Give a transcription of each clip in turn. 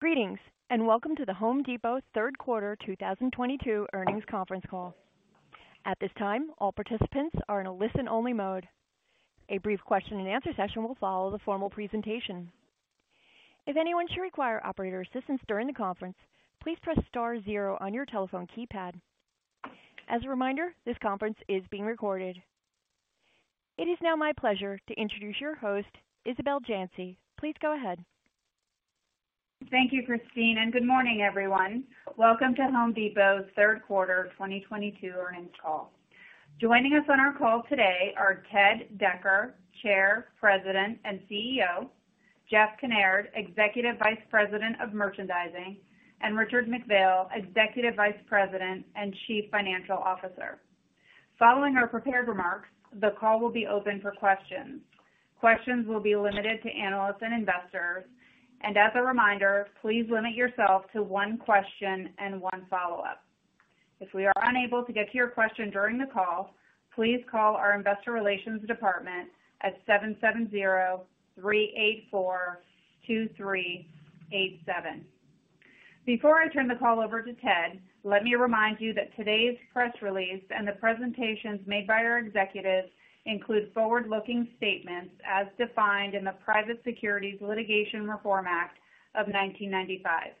Greetings, and welcome to The Home Depot third quarter 2022 earnings conference call. At this time, all participants are in a listen-only mode. A brief question-and-answer session will follow the formal presentation. If anyone should require operator assistance during the conference, please press star zero on your telephone keypad. As a reminder, this conference is being recorded. It is now my pleasure to introduce your host, Isabel Janci. Please go ahead. Thank you, Christine, and good morning, everyone. Welcome to Home Depot's third quarter 2022 earnings call. Joining us on our call today are Ted Decker, Chair, President, and CEO, Jeff Kinnaird, Executive Vice President of Merchandising, and Richard McPhail, Executive Vice President and Chief Financial Officer. Following our prepared remarks, the call will be open for questions. Questions will be limited to analysts and investors. As a reminder, please limit yourself to one question and one follow-up. If we are unable to get to your question during the call, please call our Investor Relations department at 770-384-2387. Before I turn the call over to Ted, let me remind you that today's press release and the presentations made by our executives include forward-looking statements as defined in the Private Securities Litigation Reform Act of 1995.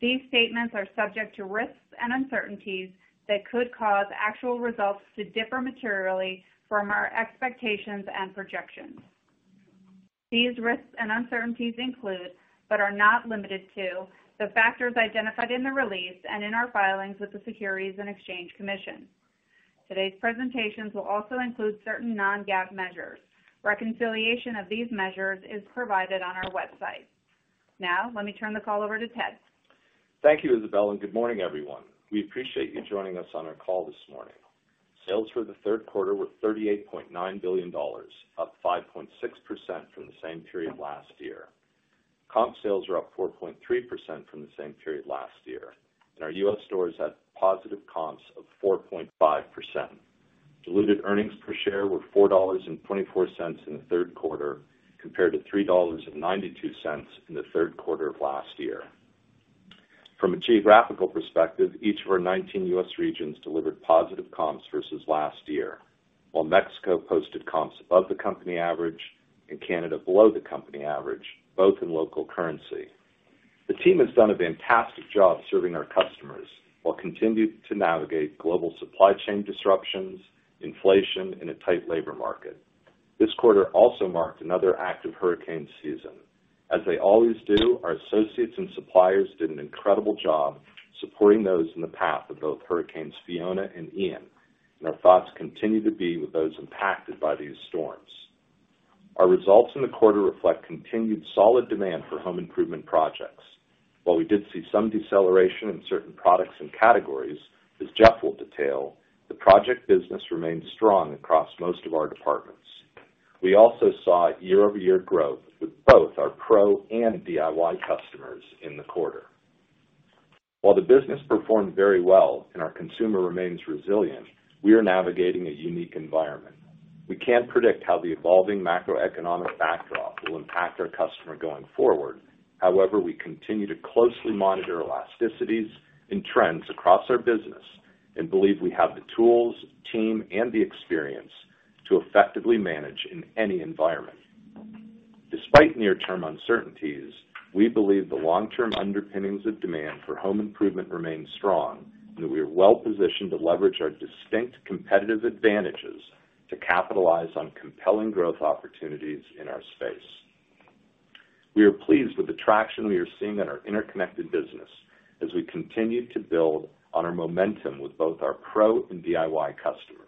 These statements are subject to risks and uncertainties that could cause actual results to differ materially from our expectations and projections. These risks and uncertainties include, but are not limited to, the factors identified in the release and in our filings with the Securities and Exchange Commission. Today's presentations will also include certain non-GAAP measures. Reconciliation of these measures is provided on our website. Now, let me turn the call over to Ted. Thank you, Isabel, and good morning, everyone. We appreciate you joining us on our call this morning. Sales for the third quarter were $38.9 billion, up 5.6% from the same period last year. Comp sales are up 4.3% from the same period last year, and our U.S. stores had positive comps of 4.5%. Diluted earnings per share were $4.24 in the third quarter, compared to $3.92 in the third quarter of last year. From a geographical perspective, each of our 19 U.S. regions delivered positive comps versus last year, while Mexico posted comps above the company average and Canada below the company average, both in local currency. The team has done a fantastic job serving our customers while continuing to navigate global supply chain disruptions, inflation, and a tight labor market. This quarter also marked another active hurricane season. As they always do, our associates and suppliers did an incredible job supporting those in the path of both Hurricane Fiona and Hurricane Ian, and our thoughts continue to be with those impacted by these storms. Our results in the quarter reflect continued solid demand for home improvement projects. While we did see some deceleration in certain products and categories, as Jeff will detail, the project business remained strong across most of our departments. We also saw year-over-year growth with both our Pro and DIY customers in the quarter. While the business performed very well and our consumer remains resilient, we are navigating a unique environment. We can't predict how the evolving macroeconomic backdrop will impact our customer going forward. However, we continue to closely monitor elasticities and trends across our business and believe we have the tools, team, and the experience to effectively manage in any environment. Despite near-term uncertainties, we believe the long-term underpinnings of demand for home improvement remains strong, and we are well-positioned to leverage our distinct competitive advantages to capitalize on compelling growth opportunities in our space. We are pleased with the traction we are seeing in our interconnected business as we continue to build on our momentum with both our Pro and DIY customers.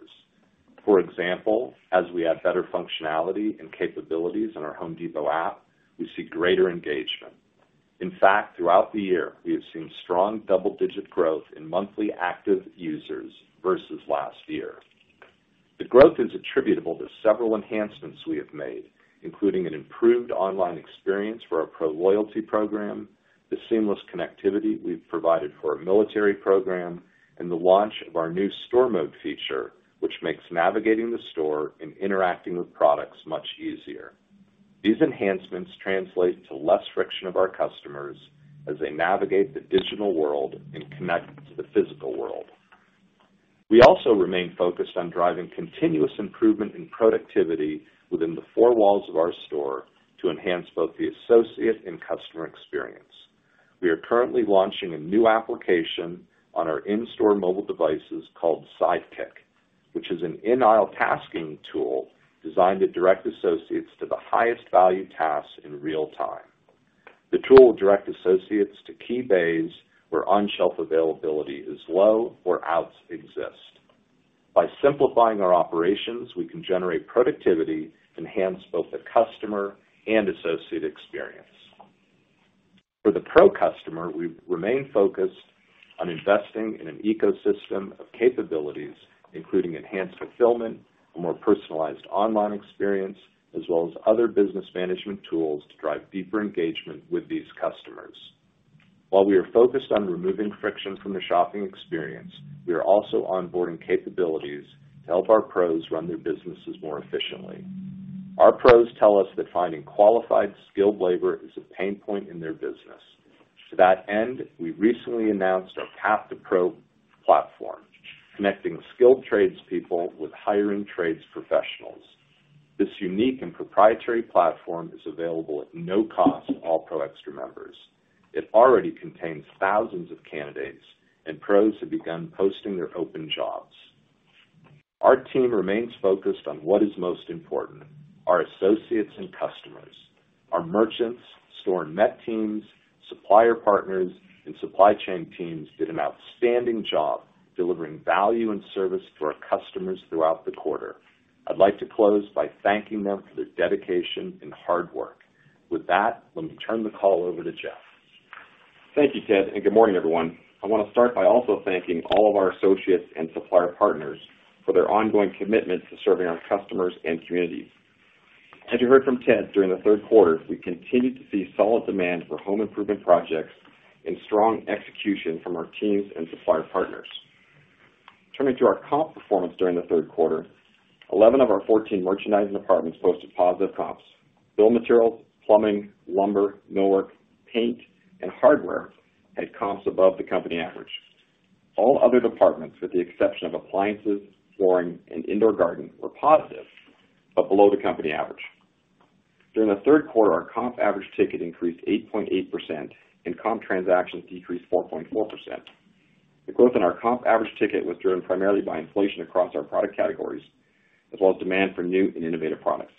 For example, as we add better functionality and capabilities in our Home Depot App, we see greater engagement. In fact, throughout the year, we have seen strong double-digit growth in monthly active users versus last year. The growth is attributable to several enhancements we have made, including an improved online experience for our Pro loyalty program, the seamless connectivity we've provided for our military program, and the launch of our new Store Mode feature, which makes navigating the store and interacting with products much easier. These enhancements translate to less friction of our customers as they navigate the digital world and connect to the physical world. We also remain focused on driving continuous improvement in productivity within the four walls of our store to enhance both the associate and customer experience. We are currently launching a new application on our in-store mobile devices called Sidekick, which is an in-aisle tasking tool designed to direct associates to the highest value tasks in real time. The tool will direct associates to key bays where on-shelf availability is low or outs exist. By simplifying our operations, we can generate productivity, enhance both the customer and associate experience. For the Pro customer, we remain focused on investing in an ecosystem of capabilities, including enhanced fulfillment, a more personalized online experience, as well as other business management tools to drive deeper engagement with these customers. While we are focused on removing friction from the shopping experience, we are also onboarding capabilities to help our Pros run their businesses more efficiently. Our Pros tell us that finding qualified skilled labor is a pain point in their business. To that end, we recently announced our Path to Pro platform, connecting skilled tradespeople with hiring trades professionals. This unique and proprietary platform is available at no cost to all Pro Xtra members. It already contains thousands of candidates, and Pros have begun posting their open jobs. Our team remains focused on what is most important, our associates and customers. Our merchants, store and net teams, supplier partners, and supply chain teams did an outstanding job delivering value and service to our customers throughout the quarter. I'd like to close by thanking them for their dedication and hard work. With that, let me turn the call over to Jeff. Thank you, Ted, and good morning, everyone. I wanna start by also thanking all of our associates and supplier partners for their ongoing commitment to serving our customers and communities. As you heard from Ted, during the third quarter, we continued to see solid demand for home improvement projects and strong execution from our teams and supplier partners. Turning to our comp performance during the third quarter, 11 of our 14 merchandising departments posted positive comps. Building materials, plumbing, lumber, millwork, paint, and hardware had comps above the company average. All other departments, with the exception of appliances, flooring, and indoor garden, were positive, but below the company average. During the third quarter, our comp average ticket increased 8.8% and comp transactions decreased 4.4%. The growth in our comp average ticket was driven primarily by inflation across our product categories, as well as demand for new and innovative products.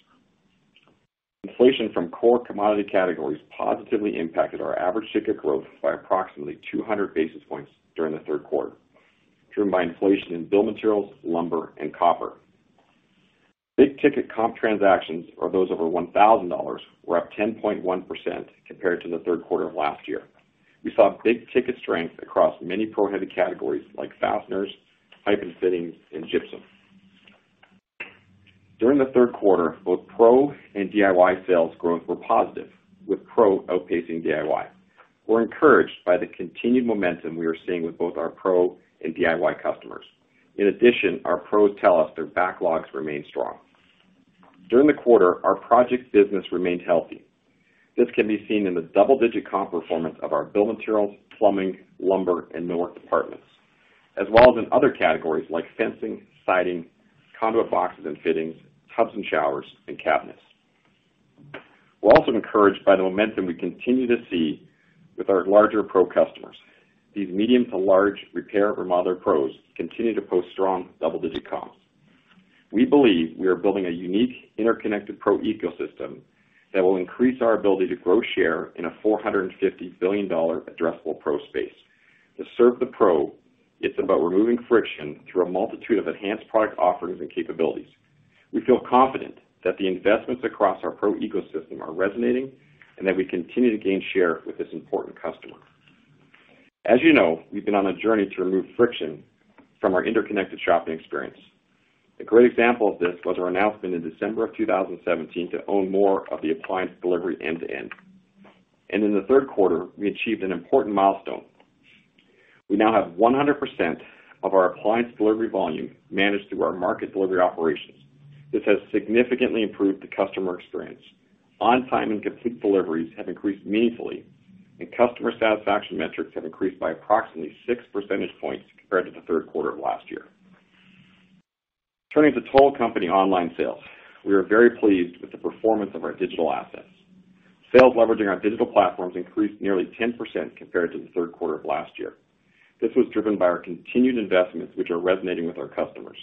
Inflation from core commodity categories positively impacted our average ticket growth by approximately 200 basis points during the third quarter, driven by inflation in building materials, lumber, and copper. Big-ticket comp transactions, or those over $1,000, were up 10.1% compared to the third quarter of last year. We saw big-ticket strength across many Pro-heavy categories like fasteners, pipe and fittings, and gypsum. During the third quarter, both Pro and DIY sales growth were positive, with Pro outpacing DIY. We're encouraged by the continued momentum we are seeing with both our Pro and DIY customers. In addition, our Pros tell us their backlogs remain strong. During the quarter, our project business remained healthy. This can be seen in the double-digit comp performance of our building materials, plumbing, lumber, and millwork departments, as well as in other categories like fencing, siding, conduit boxes and fittings, tubs and showers, and cabinets. We're also encouraged by the momentum we continue to see with our larger Pro customers. These medium to large repair or remodel Pros continue to post strong double-digit comps. We believe we are building a unique, interconnected Pro ecosystem that will increase our ability to grow share in a $450 billion addressable Pro space. To serve the Pro, it's about removing friction through a multitude of enhanced product offerings and capabilities. We feel confident that the investments across our Pro ecosystem are resonating and that we continue to gain share with this important customer. As you know, we've been on a journey to remove friction from our interconnected shopping experience. A great example of this was our announcement in December of 2017 to own more of the appliance delivery end-to-end. In the third quarter, we achieved an important milestone. We now have 100% of our appliance delivery volume managed through our market delivery operations. This has significantly improved the customer experience. On-time and complete deliveries have increased meaningfully, and customer satisfaction metrics have increased by approximately six percentage points compared to the third quarter of last year. Turning to total company online sales. We are very pleased with the performance of our digital assets. Sales leveraging our digital platforms increased nearly 10% compared to the third quarter of last year. This was driven by our continued investments, which are resonating with our customers.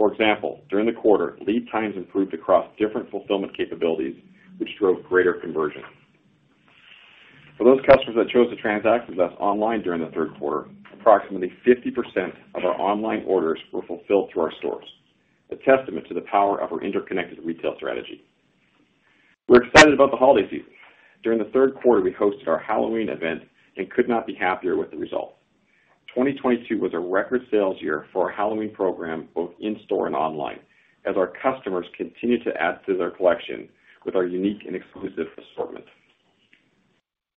For example, during the quarter, lead times improved across different fulfillment capabilities, which drove greater conversion. For those customers that chose to transact with us online during the third quarter, approximately 50% of our online orders were fulfilled through our stores, a testament to the power of our interconnected retail strategy. We're excited about the holiday season. During the third quarter, we hosted our Halloween event and could not be happier with the result. 2022 was a record sales year for our Halloween program, both in-store and online, as our customers continued to add to their collection with our unique and exclusive assortment.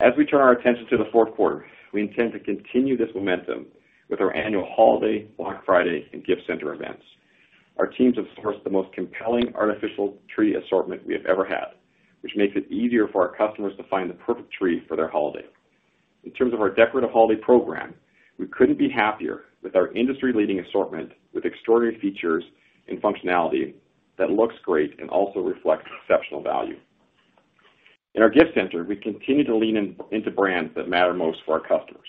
As we turn our attention to the fourth quarter, we intend to continue this momentum with our annual holiday, Black Friday, and gift center events. Our teams have sourced the most compelling artificial tree assortment we have ever had, which makes it easier for our customers to find the perfect tree for their holiday. In terms of our decorative holiday program, we couldn't be happier with our industry-leading assortment with extraordinary features and functionality that looks great and also reflects exceptional value. In our gift center, we continue to lean into brands that matter most to our customers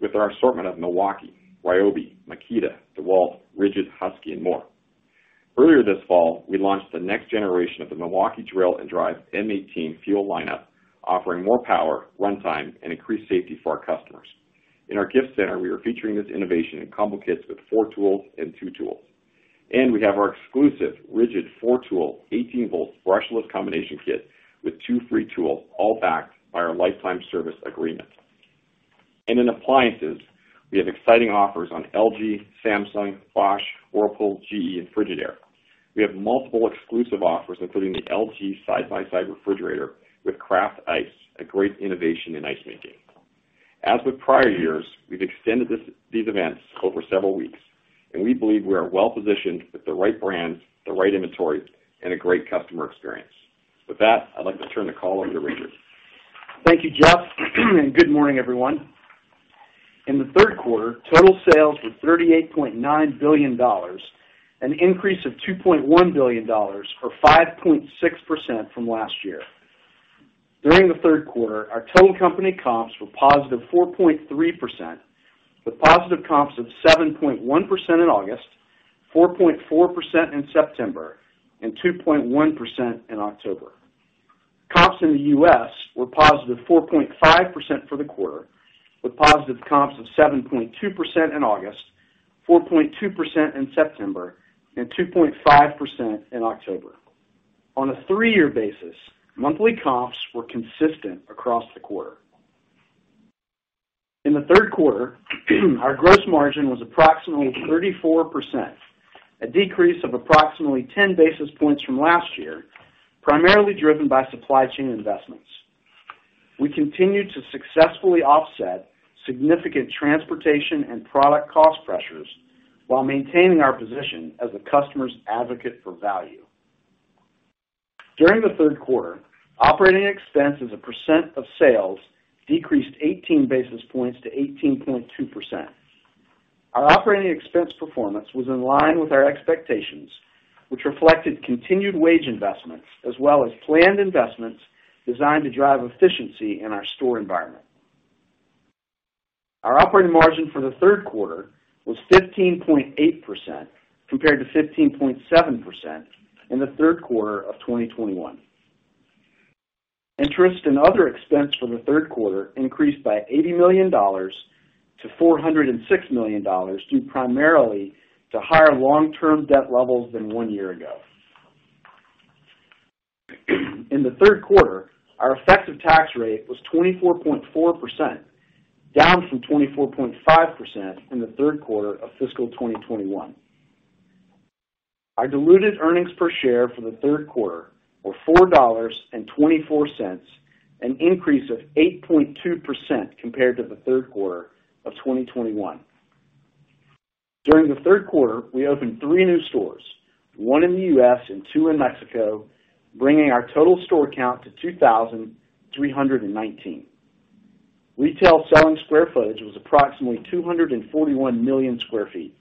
with our assortment of Milwaukee, Ryobi, Makita, DeWalt, RIDGID, Husky, and more. Earlier this fall, we launched the next generation of the Milwaukee drill and drive M18 Fuel lineup, offering more power, runtime, and increased safety for our customers. In our gift center, we are featuring this innovation in combo kits with four tools and two tools. We have our exclusive RIDGID 4-tool 18-volt brushless combination kit with two free tools, all backed by our lifetime service agreement. In appliances, we have exciting offers on LG, Samsung, Bosch, Whirlpool, GE, and Frigidaire. We have multiple exclusive offers, including the LG side-by-side refrigerator with Craft Ice, a great innovation in ice making. As with prior years, we've extended these events over several weeks, and we believe we are well positioned with the right brands, the right inventory, and a great customer experience. With that, I'd like to turn the call over to Richard. Thank you, Jeff. Good morning, everyone. In the third quarter, total sales were $38.9 billion, an increase of $2.1 billion or 5.6% from last year. During the third quarter, our total company comps were positive 4.3%, with positive comps of 7.1% in August, 4.4% in September, and 2.1% in October. Comps in the U.S. were positive 4.5% for the quarter, with positive comps of 7.2% in August, 4.2% in September, and 2.5% in October. On a three-year basis, monthly comps were consistent across the quarter. In the third quarter, our gross margin was approximately 34%, a decrease of approximately 10 basis points from last year, primarily driven by supply chain investments. We continued to successfully offset significant transportation and product cost pressures while maintaining our position as a customer's advocate for value. During the third quarter, operating expense as a percent of sales decreased 18 basis points to 18.2%. Our operating expense performance was in line with our expectations, which reflected continued wage investments as well as planned investments designed to drive efficiency in our store environment. Our operating margin for the third quarter was 15.8% compared to 15.7% in the third quarter of 2021. Interest and other expense for the third quarter increased by $80 million to $406 million, due primarily to higher long-term debt levels than one year ago. In the third quarter, our effective tax rate was 24.4%, down from 24.5% in the third quarter of fiscal 2021. Our diluted earnings per share for the third quarter were $4.24, an increase of 8.2% compared to the third quarter of 2021. During the third quarter, we opened three new stores, one in the U.S. and two in Mexico, bringing our total store count to 2,319. Retail selling square footage was approximately 241 million sq ft.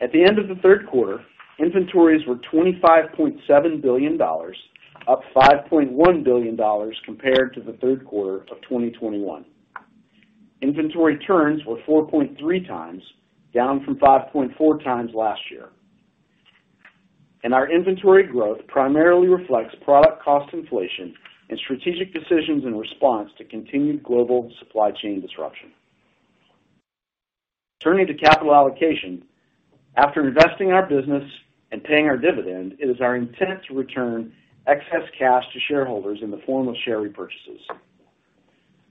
At the end of the third quarter, inventories were $25.7 billion, up $5.1 billion compared to the third quarter of 2021. Inventory turns were 4.3x, down from 5.4x last year. Our inventory growth primarily reflects product cost inflation and strategic decisions in response to continued global supply chain disruption. Turning to capital allocation. After investing in our business and paying our dividend, it is our intent to return excess cash to shareholders in the form of share repurchases.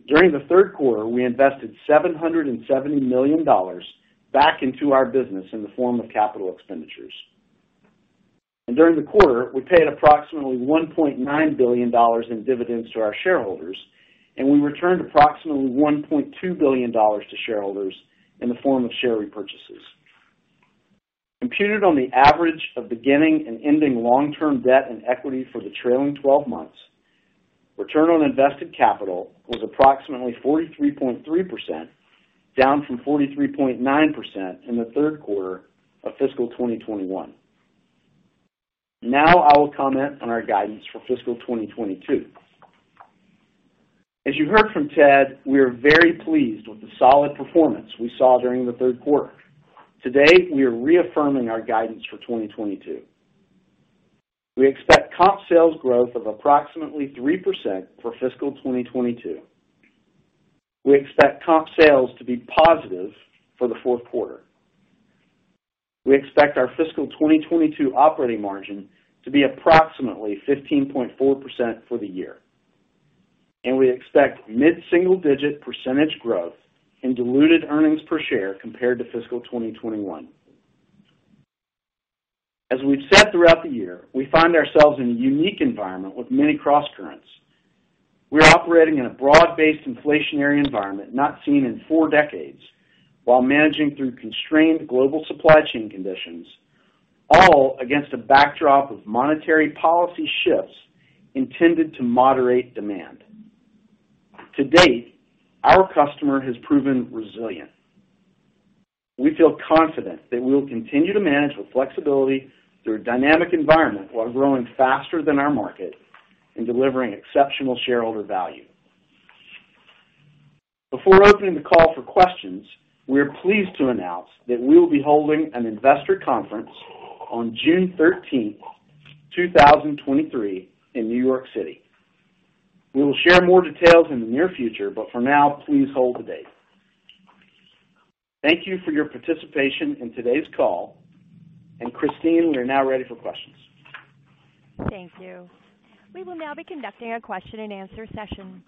During the third quarter, we invested $770 million back into our business in the form of capital expenditures. During the quarter, we paid approximately $1.9 billion in dividends to our shareholders, and we returned approximately $1.2 billion to shareholders in the form of share repurchases. Computed on the average of beginning and ending long-term debt and equity for the trailing twelve months, return on invested capital was approximately 43.3%, down from 43.9% in the third quarter of fiscal 2021. Now I will comment on our guidance for fiscal 2022. As you heard from Ted, we are very pleased with the solid performance we saw during the third quarter. Today, we are reaffirming our guidance for 2022. We expect comp sales growth of approximately 3% for fiscal 2022. We expect comp sales to be positive for the fourth quarter. We expect our fiscal 2022 operating margin to be approximately 15.4% for the year. We expect mid-single-digit percentage growth in diluted earnings per share compared to fiscal 2021. As we've said throughout the year, we find ourselves in a unique environment with many crosscurrents. We're operating in a broad-based inflationary environment not seen in four decades while managing through constrained global supply chain conditions, all against a backdrop of monetary policy shifts intended to moderate demand. To date, our customer has proven resilient. We feel confident that we will continue to manage with flexibility through a dynamic environment while growing faster than our market and delivering exceptional shareholder value. Before opening the call for questions, we are pleased to announce that we will be holding an investor conference on June 13, 2023 in New York City. We will share more details in the near future, but for now, please hold the date. Thank you for your participation in today's call. Christine, we are now ready for questions. Thank you. We will now be conducting a question-and-answer session.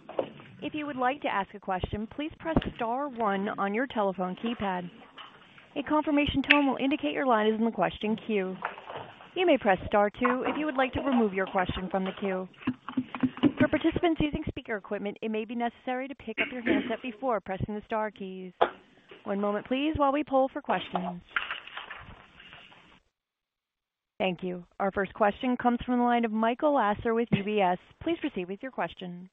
If you would like to ask a question, please press star one on your telephone keypad. A confirmation tone will indicate your line is in the question queue. You may press star two if you would like to remove your question from the queue. For participants using speaker equipment, it may be necessary to pick up your handset before pressing the star keys. One moment please while we poll for questions. Thank you. Our first question comes from the line of Michael Lasser with UBS. Please proceed with your question.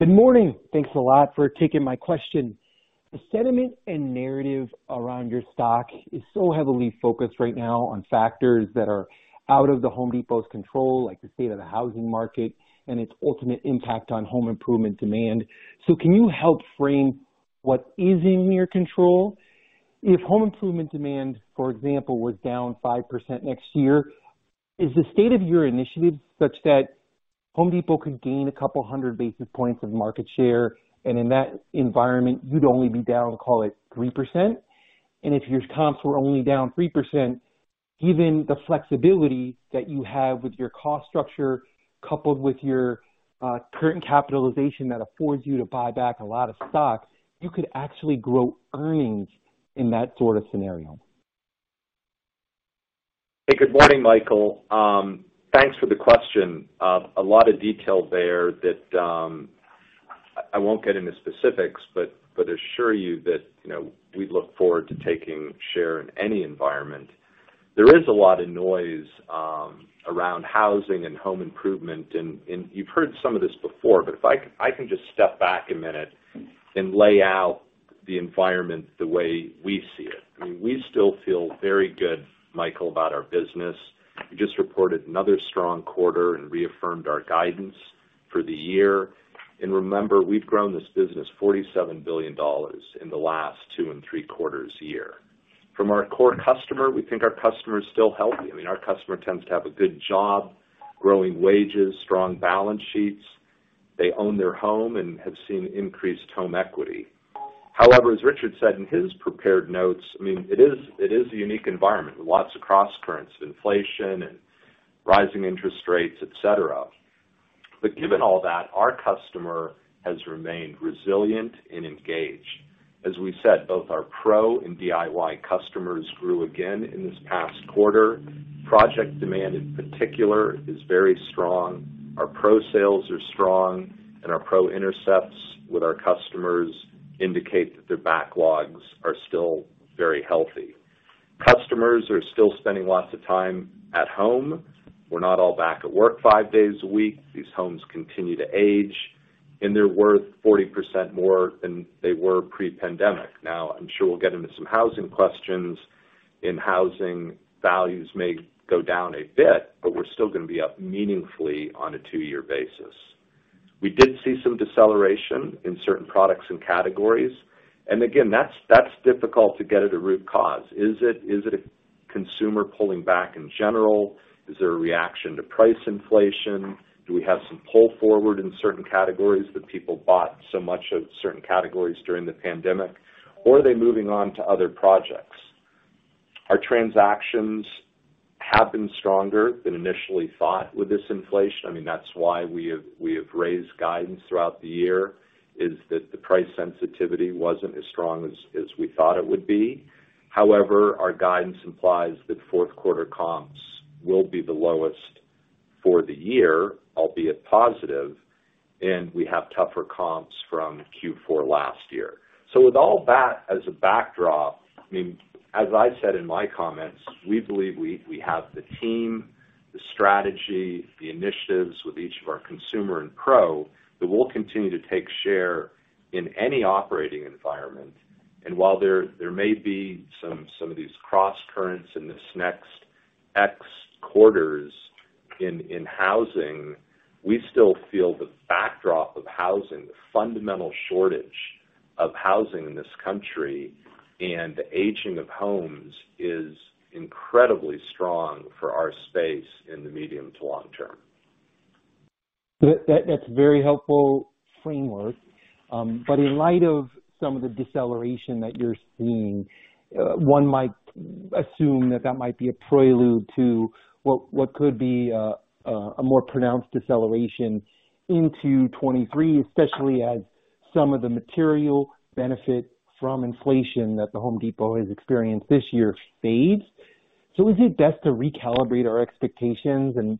Good morning. Thanks a lot for taking my question. The sentiment and narrative around your stock is so heavily focused right now on factors that are out of The Home Depot's control, like the state of the housing market and its ultimate impact on home improvement demand. Can you help frame what is in your control? If home improvement demand, for example, was down 5% next year, is the state of your initiative such that The Home Depot could gain a couple of hundred basis points of market share, and in that environment, you'd only be down, call it 3%. If your comps were only down 3%, given the flexibility that you have with your cost structure, coupled with your current capitalization that affords you to buy back a lot of stocks, you could actually grow earnings in that sort of scenario. Hey, good morning, Michael. Thanks for the question. A lot of detail there that I won't get into specifics, but I assure you that, you know, we look forward to taking share in any environment. There is a lot of noise around housing and home improvement. You've heard some of this before, but if I can just step back a minute and lay out the environment the way we see it. I mean, we still feel very good, Michael, about our business. We just reported another strong quarter and reaffirmed our guidance for the year. Remember, we've grown this business $47 billion in the last two or three quarters a year. From our core customer, we think our customer is still healthy. I mean, our customer tends to have a good job, growing wages, strong balance sheets. They own their home and have seen increased home equity. However, as Richard said in his prepared notes, I mean, it is a unique environment, lots of cross-currents, inflation and rising interest rates, et cetera. Given all that, our customer has remained resilient and engaged. As we said, both our Pro and DIY customers grew again in this past quarter. Project demand, in particular, is very strong. Our Pro sales are strong, and our Pro intercepts with our customers indicate that their backlogs are still very healthy. Customers are still spending lots of time at home. We're not all back at work five days a week. These homes continue to age, and they're worth 40% more than they were pre-pandemic. Now, I'm sure we'll get into some housing questions, and housing values may go down a bit, but we're still gonna be up meaningfully on a two-year basis. We did see some deceleration in certain products and categories. Again, that's difficult to get at a root cause. Is it a consumer pulling back in general? Is there a reaction to price inflation? Do we have some pull forward in certain categories that people bought so much of during the pandemic? Or are they moving on to other projects? Our transactions have been stronger than initially thought with this inflation. I mean, that's why we have raised guidance throughout the year, is that the price sensitivity wasn't as strong as we thought it would be. However, our guidance implies that fourth quarter comps will be the lowest for the year, albeit positive, and we have tougher comps from Q4 last year. With all that as a backdrop, I mean, as I said in my comments, we believe we have the team, the strategy, the initiatives with each of our consumer and Pro that we'll continue to take share in any operating environment. While there may be some of these cross-currents in this next few quarters in housing, we still feel the backdrop of housing, the fundamental shortage of housing in this country and the aging of homes is incredibly strong for our space in the medium to long term. That's a very helpful framework. In light of some of the deceleration that you're seeing, one might assume that that might be a prelude to what could be a more pronounced deceleration into 2023, especially as some of the material benefit from inflation that The Home Depot has experienced this year fades. Is it best to recalibrate our expectations and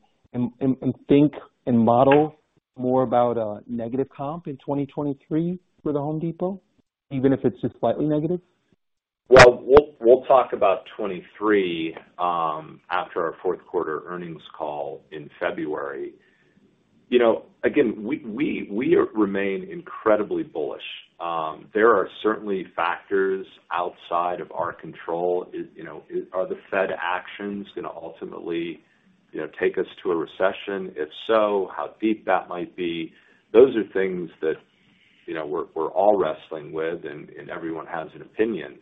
think and model more about a negative comp in 2023 for The Home Depot, even if it's just slightly negative? Well, we'll talk about 2023 after our fourth quarter earnings call in February. You know, again, we remain incredibly bullish. There are certainly factors outside of our control. You know, are the Fed actions gonna ultimately take us to a recession? If so, how deep that might be? Those are things that you know, we're all wrestling with, and everyone has an opinion.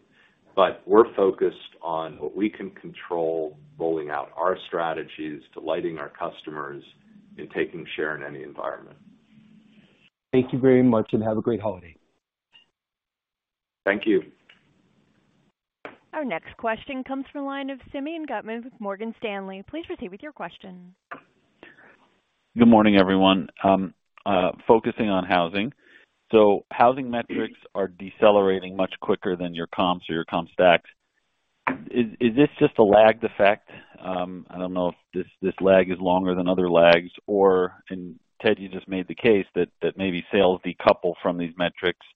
We're focused on what we can control, rolling out our strategies, delighting our customers, and taking share in any environment. Thank you very much, and have a great holiday. Thank you. Our next question comes from the line of Simeon Gutman with Morgan Stanley. Please proceed with your question. Good morning, everyone. Focusing on housing. Housing metrics are decelerating much quicker than your comps or your comp stacks. Is this just a lagged effect? I don't know if this lag is longer than other lags. Ted, you just made the case that maybe sales decouple from these metrics.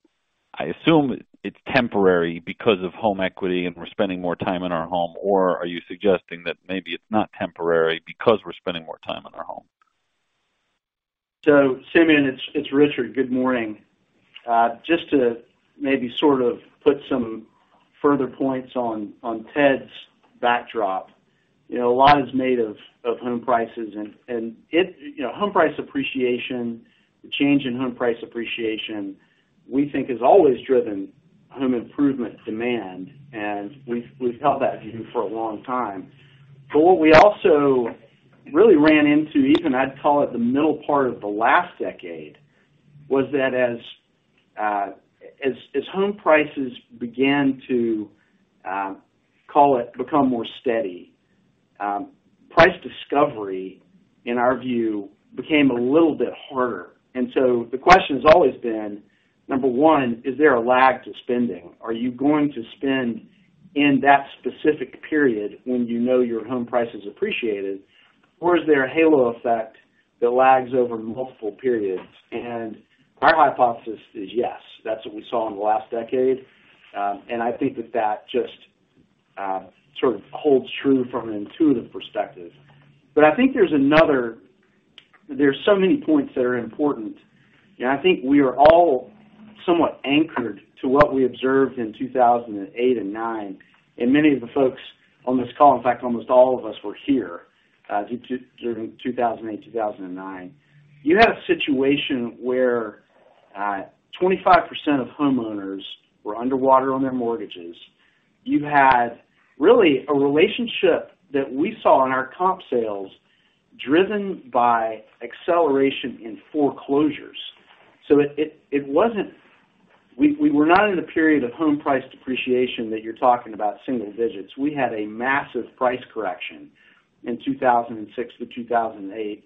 I assume it's temporary because of home equity, and we're spending more time in our home or are you suggesting that maybe it's not temporary because we're spending more time in our home? Simeon, it's Richard. Good morning. Just to maybe sort of put some further points on Ted's backdrop. You know, a lot is made of home prices and home price appreciation, the change in home price appreciation, we think has always driven home improvement demand. We've held that view for a long time. What we also really ran into, even I'd call it the middle part of the last decade, was that as home prices began to call it become more steady, price discovery, in our view, became a little bit harder. The question has always been, number one, is there a lag to spending? Are you going to spend in that specific period when you know your home price has appreciated? Is there a halo effect that lags over multiple periods? Our hypothesis is, yes, that's what we saw in the last decade. I think that just sort of holds true from an intuitive perspective. I think there's another. There are so many points that are important, I think we are all somewhat anchored to what we observed in 2008 and 2009. Many of the folks on this call, in fact, almost all of us were here during 2008, 2009. You had a situation where 25% of homeowners were underwater on their mortgages. You had really a relationship that we saw in our comp sales driven by acceleration in foreclosures. It wasn't. We were not in a period of home price depreciation that you're talking about, single digits. We had a massive price correction in 2006-2008.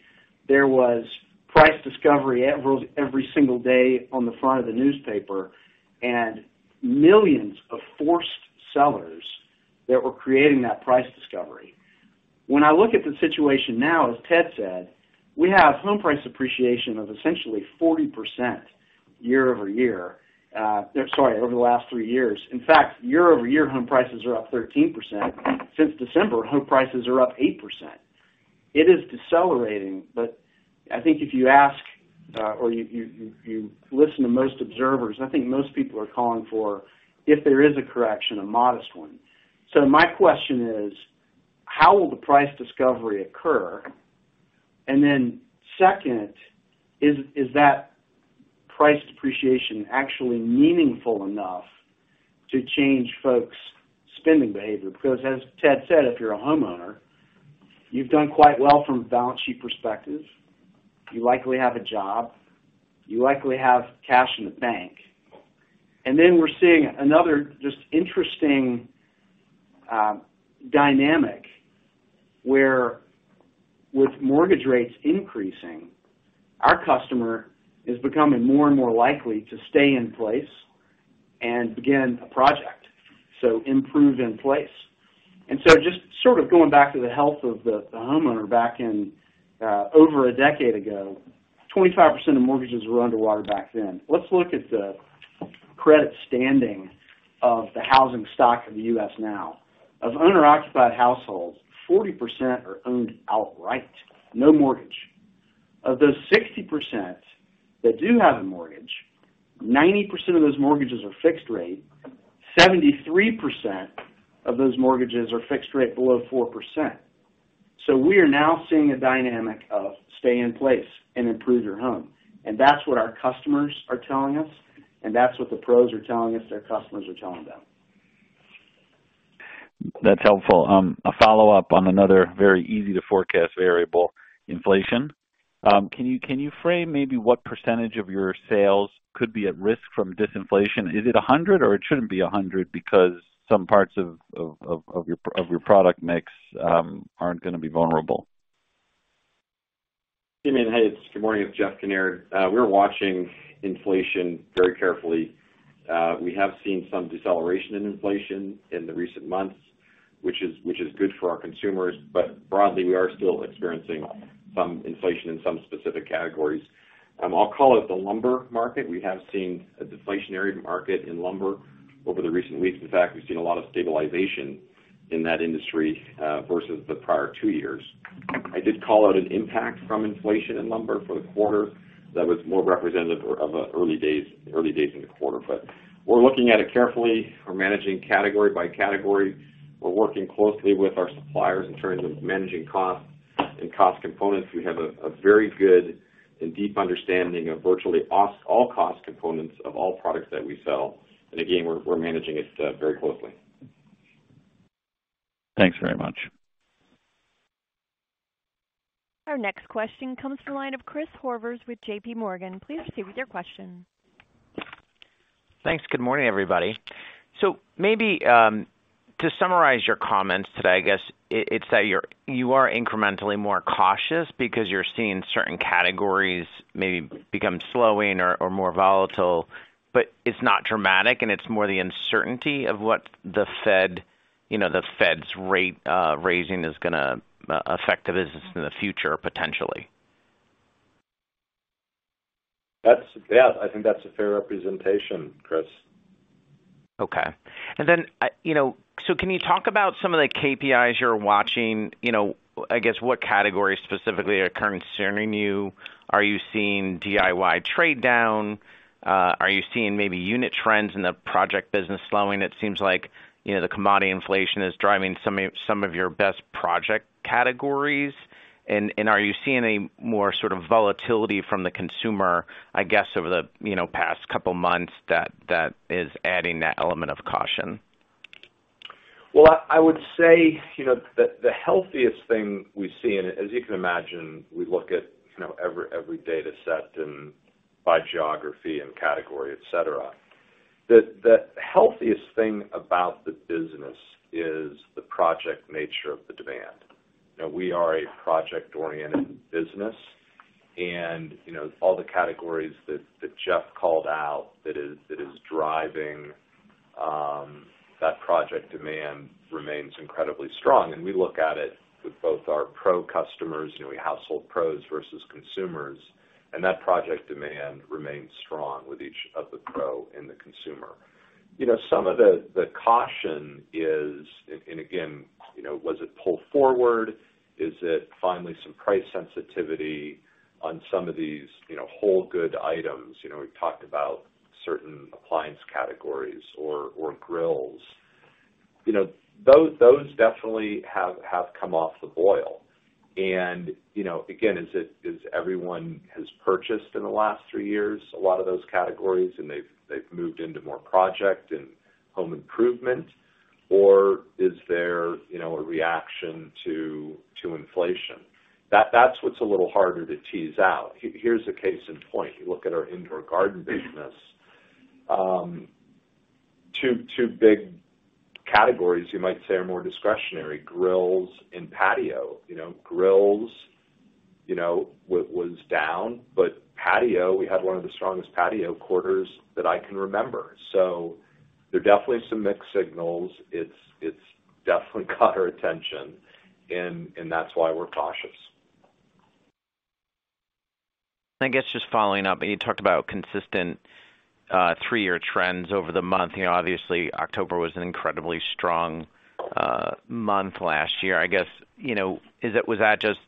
There was price discovery every single day on the front of the newspaper and millions of forced sellers that were creating that price discovery. When I look at the situation now, as Ted said, we have home price appreciation of essentially 40% year-over-year, over the last three years. In fact, year-over-year, home prices are up 13%. Since December, home prices are up 8%. It is decelerating, but I think if you ask or you listen to most observers, I think most people are calling for, if there is a correction, a modest one. My question is. How will the price discovery occur? Second, is that price depreciation actually meaningful enough to change folks' spending behavior? Because as Ted said, if you're a homeowner, you've done quite well from a balance sheet perspective. You likely have a job. You likely have cash in the bank. We're seeing another just interesting dynamic where with mortgage rates increasing, our customer is becoming more and more likely to stay in place and begin a project, so improve in place. Just sort of going back to the health of the homeowner back in over a decade ago, 25% of mortgages were underwater back then. Let's look at the credit standing of the housing stock in the U.S. now. Of owner-occupied households, 40% are owned outright. No mortgage. Of those 60% that do have a mortgage, 90% of those mortgages are fixed-rate, 73% of those mortgages are fixed-rate below 4%. We are now seeing a dynamic of stay in place and improve your home. That's what our customers are telling us, and that's what the Pros are telling us their customers are telling them. That's helpful. A follow-up on another very easy to forecast variable: inflation. Can you frame maybe what percentage of your sales could be at risk from disinflation? Is it 100%, or it shouldn't be 100% because some parts of your product mix aren't gonna be vulnerable? Simeon, hey, it's Good morning. It's Jeff Kinnaird. We're watching inflation very carefully. We have seen some deceleration in inflation in the recent months, which is good for our consumers. Broadly, we are still experiencing some inflation in some specific categories. I'll call it the lumber market. We have seen a deflationary market in lumber over the recent weeks. In fact, we've seen a lot of stabilization in that industry versus the prior two years. I did call out an impact from inflation in lumber for the quarter that was more representative of early days in the quarter. We're looking at it carefully. We're managing category by category. We're working closely with our suppliers in terms of managing costs and cost components. We have a very good and deep understanding of virtually all cost components of all products that we sell. Again, we're managing it very closely. Thanks very much. Our next question comes from the line of Chris Horvers with JPMorgan. Please proceed with your question. Thanks. Good morning, everybody. Maybe to summarize your comments today, I guess it's that you are incrementally more cautious because you're seeing certain categories maybe become slower or more volatile, but it's not dramatic and it's more the uncertainty of what the Fed, you know, the Fed's rate raising is gonna affect the business in the future, potentially. Yeah, I think that's a fair representation, Chris. Okay. You know, so can you talk about some of the KPIs you're watching? You know, I guess, what categories specifically are concerning you? Are you seeing DIY trade down? Are you seeing maybe unit trends in the project business slowing? It seems like, you know, the commodity inflation is driving some of your best project categories. Are you seeing a more sort of volatility from the consumer, I guess, over the, you know, past couple months that is adding that element of caution? Well, I would say, you know, the healthiest thing we see, and as you can imagine, we look at, you know, every data set and by geography and category, et cetera, that the healthiest thing about the business is the project nature of the demand. You know, we are a project-oriented business. You know, all the categories that Jeff called out that is driving that project demand remains incredibly strong. We look at it with both our Pro customers, you know, household Pros versus consumers, and that project demand remains strong with each of the Pro and the consumer. You know, some of the caution is, and again, you know, was it pulled forward? Is it finally some price sensitivity on some of these, you know, whole good items? You know, we've talked about certain appliance categories or grills. You know, those definitely have come off the boil. You know, again, is it that everyone has purchased in the last three years a lot of those categories and they've moved into more project and home improvement? Or is there, you know, a reaction to inflation? That's what's a little harder to tease out. Here's a case in point. You look at our indoor garden business. Two big categories you might say are more discretionary, grills and patio. You know, grills, you know, was down, but patio, we had one of the strongest patio quarters that I can remember. There are definitely some mixed signals. It's definitely got our attention and that's why we're cautious. I guess just following up, you talked about consistent three-year trends over the month. You know, obviously October was an incredibly strong month last year. I guess, you know, was that just,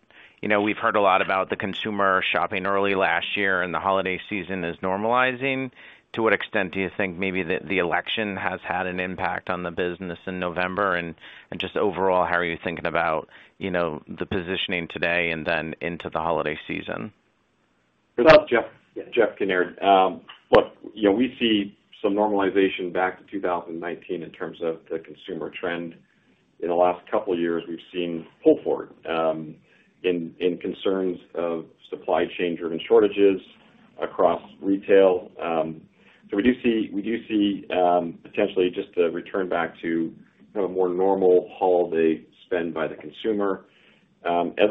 you know, we've heard a lot about the consumer shopping early last year and the holiday season is normalizing. To what extent do you think maybe the election has had an impact on the business in November? And just overall, how are you thinking about, you know, the positioning today and then into the holiday season? This is Jeff Kinnaird. Look, you know, we see some normalization back to 2019 in terms of the consumer trend. In the last couple years, we've seen pull forward in concerns of supply chain-driven shortages across retail. We do see potentially just a return back to kind of a more normal holiday spend by the consumer. As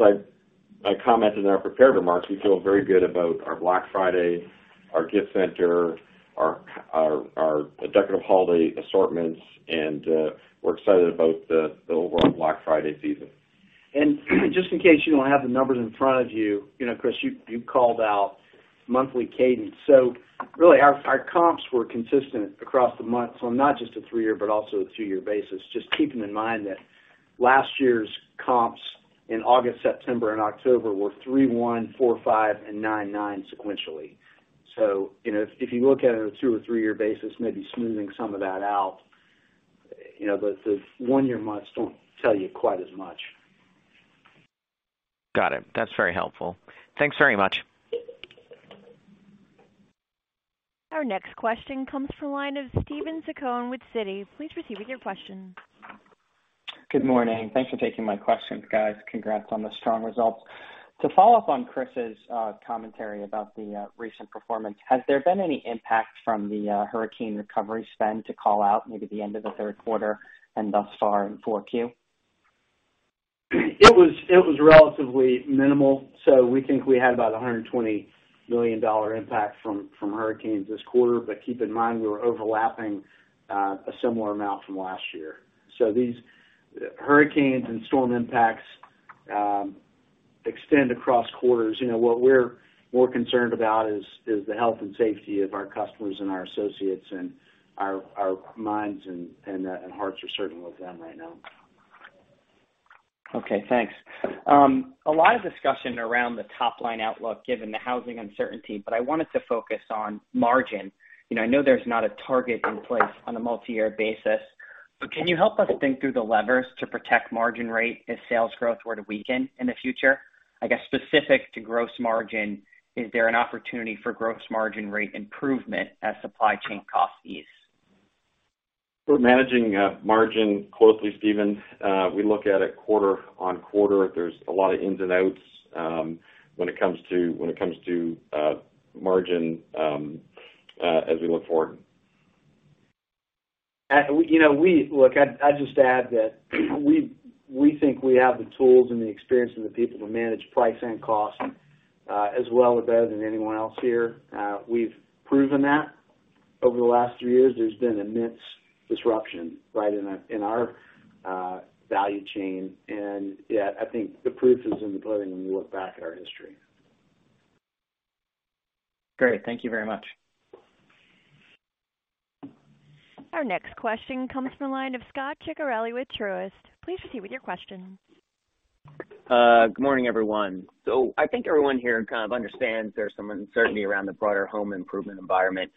I commented in our prepared remarks, we feel very good about our Black Friday, our gift center, our decorative holiday assortments, and we're excited about the overall Black Friday season. Just in case you don't have the numbers in front of you know, Chris, you called out monthly cadence. Really, our comps were consistent across the month. Not just a three-year, but also a two-year basis. Just keeping in mind that last year's comps in August, September, and October were 3.1%, 4.5%, and 9.9% sequentially. You know, if you look at it on a two- or three-year basis, maybe smoothing some of that out, you know, the one-year months don't tell you quite as much. Got it. That's very helpful. Thanks very much. Our next question comes from the line of Steven Zaccone with Citi. Please proceed with your question. Good morning. Thanks for taking my questions, guys. Congrats on the strong results. To follow up on Chris's commentary about the recent performance, has there been any impact from the hurricane recovery spend to call out maybe the end of the third quarter and thus far in 4Q? It was relatively minimal. We think we had about a $120 million impact from hurricanes this quarter. Keep in mind, we were overlapping a similar amount from last year. These hurricanes and storm impacts extend across quarters. You know, what we're more concerned about is the health and safety of our customers and our associates and our minds and hearts are certainly with them right now. Okay, thanks. A lot of discussion around the top-line outlook, given the housing uncertainty, but I wanted to focus on margin. You know, I know there's not a target in place on a multi-year basis. Can you help us think through the levers to protect margin rate if sales growth were to weaken in the future? I guess specific to gross margin, is there an opportunity for gross margin rate improvement as supply chain costs ease? We're managing margin closely, Steven. We look at it quarter-over-quarter. There's a lot of ins and outs when it comes to margin as we look forward. You know, look, I just add that we think we have the tools and the experience and the people to manage price and cost as well or better than anyone else here. We've proven that over the last three years. There's been immense disruption right in our value chain. Yeah, I think the proof is in the pudding when you look back at our history. Great. Thank you very much. Our next question comes from the line of Scot Ciccarelli with Truist. Please proceed with your question. Good morning, everyone. I think everyone here kind of understands there's some uncertainty around the broader home improvement environment,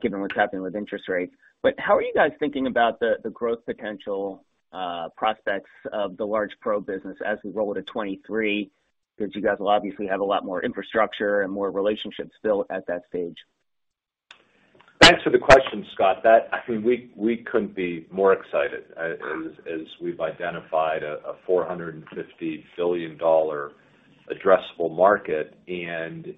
given what's happening with interest rates. How are you guys thinking about the growth potential, prospects of the large Pro business as we roll into 2023? Because you guys will obviously have a lot more infrastructure and more relationships built at that stage. Thanks for the question, Scot. I mean, we couldn't be more excited as we've identified a $450 billion addressable market and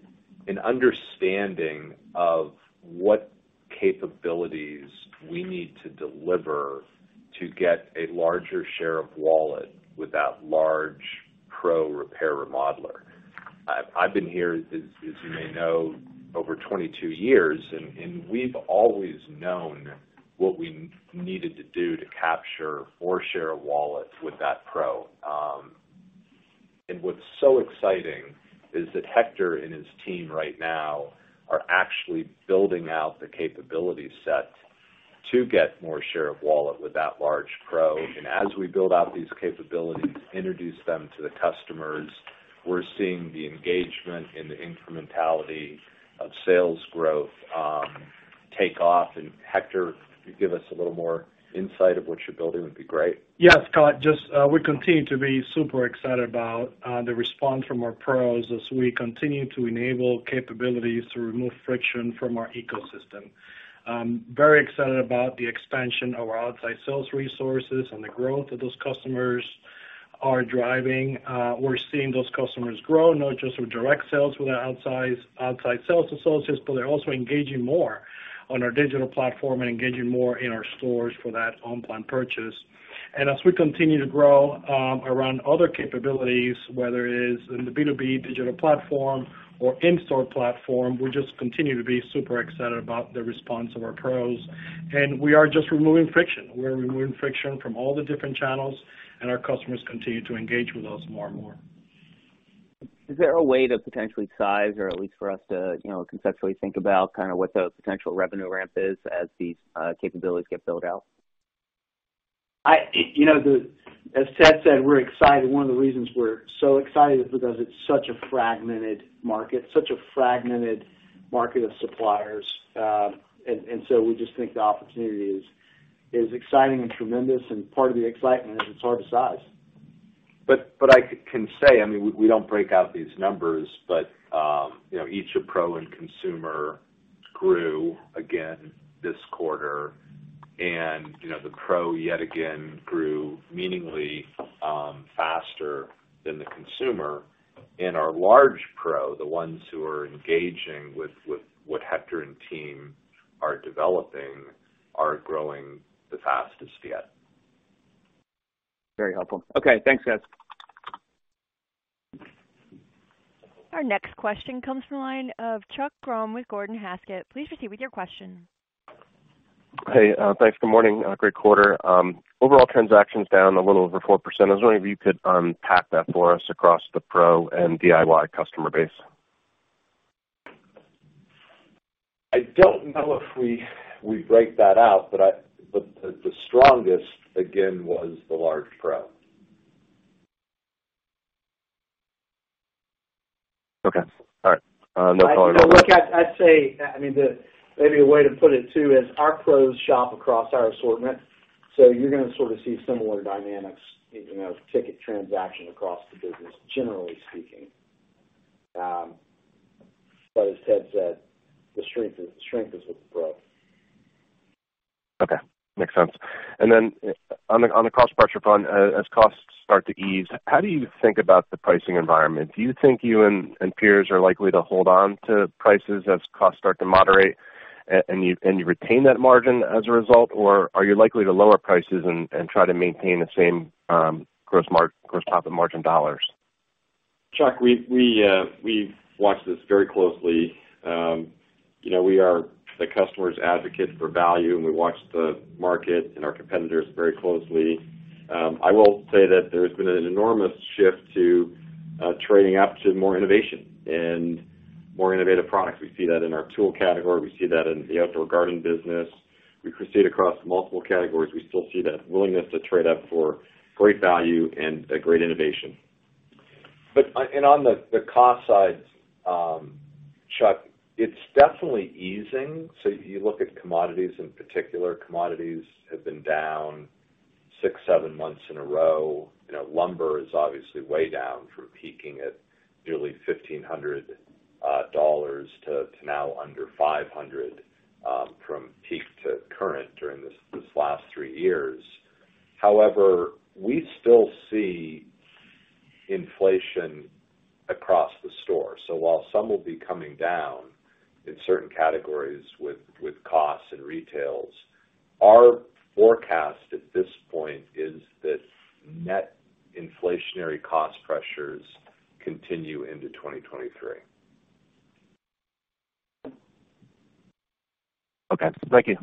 an understanding of what capabilities we need to deliver to get a larger share of wallet with that large Pro repair remodeler. I've been here, as you may know, over 22 years, and we've always known what we needed to do to capture our share of wallet with that Pro. What's so exciting is that Hector and his team right now are actually building out the capability set to get more share of wallet with that large Pro. As we build out these capabilities, introduce them to the customers, we're seeing the engagement and the incrementality of sales growth take off. Hector, if you give us a little more insight into what you're building, would be great. Yeah, Scott, just, we continue to be super excited about the response from our Pros as we continue to enable capabilities to remove friction from our ecosystem. I'm very excited about the expansion of our outside sales resources and the growth that those customers are driving. We're seeing those customers grow not just with direct sales with our outside sales associates, but they're also engaging more on our digital platform and engaging more in our stores for that on-plan purchase. As we continue to grow around other capabilities, whether it is in the B2B digital platform or in-store platform, we just continue to be super excited about the response of our Pros. We are just removing friction. We're removing friction from all the different channels, and our customers continue to engage with us more and more. Is there a way to potentially size or at least for us to, you know, conceptually think about kind of what the potential revenue ramp is as these capabilities get built out? You know, as Ted said, we're excited. One of the reasons we're so excited is because it's such a fragmented market of suppliers. So we just think the opportunity is exciting and tremendous, and part of the excitement is it's hard to size. I can say, I mean, we don't break out these numbers, but you know, each of Pro and Consumer grew again this quarter. You know, the Pro yet again grew meaningfully faster than the Consumer. Our large Pro, the ones who are engaging with what Hector and team are developing, are growing the fastest yet. Very helpful. Okay, thanks, guys. Our next question comes from the line of Chuck Grom with Gordon Haskett. Please proceed with your question. Hey, thanks. Good morning. Great quarter. Overall transactions down a little over 4%. I was wondering if you could unpack that for us across the Pro and DIY customer base. I don't know if we break that out, but the strongest again was the large Pro. Okay. All right. No follow-up. You know what, Chuck? I'd say, I mean, maybe a way to put it too is our Pros shop across our assortment, so you're gonna sort of see similar dynamics in, you know, ticket transaction across the business, generally speaking. As Ted said, the strength is with the Pro. Okay. Makes sense. Then on the cost pressure front, as costs start to ease, how do you think about the pricing environment? Do you think you and peers are likely to hold on to prices as costs start to moderate and you retain that margin as a result? Or are you likely to lower prices and try to maintain the same gross profit margin dollars? Chuck, we watch this very closely. You know, we are the customer's advocate for value, and we watch the market and our competitors very closely. I will say that there's been an enormous shift to trading up to more innovation and more innovative products. We see that in our tool category. We see that in the outdoor garden business. We could see it across multiple categories. We still see that willingness to trade up for great value and a great innovation. On the cost side, Chuck, it's definitely easing. You look at commodities in particular, commodities have been down six, seven months in a row. You know, lumber is obviously way down from peaking at nearly $1,500 to now under $500, from peak to current during this last three years. However, we still see inflation across the store. While some will be coming down in certain categories with costs and retails, our forecast at this point is that net inflationary cost pressures continue into 2023. Okay. Thank you.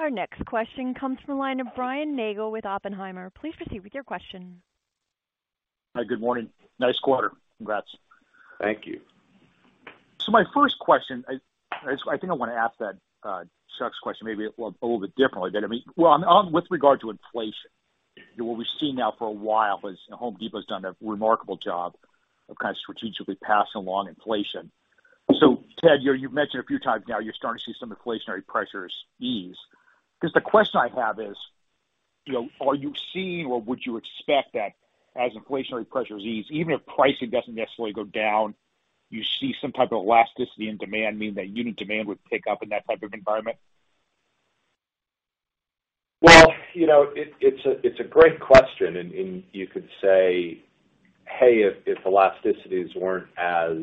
Our next question comes from the line of Brian Nagel with Oppenheimer. Please proceed with your question. Hi. Good morning. Nice quarter. Congrats. Thank you. My first question, I think I wanna ask that, Chuck's question maybe a little bit differently. But I mean, well, with regard to inflation, what we've seen now for a while is Home Depot's done a remarkable job of kind of strategically passing along inflation. Ted, you know, you've mentioned a few times now you're starting to see some inflationary pressures ease. Just the question I have is, you know, are you seeing or would you expect that as inflationary pressures ease, even if pricing doesn't necessarily go down, you see some type of elasticity in demand, meaning that unit demand would pick up in that type of environment? You know, it's a great question and you could say, "Hey, if elasticities weren't as,